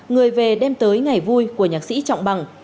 người về đem tới ngày vui của nhạc sĩ trọng bằng